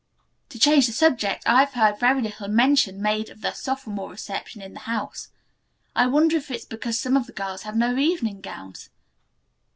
To change the subject, I have heard very little mention made of the sophomore reception in the house. I wonder if it is because some of the girls have no evening gowns?"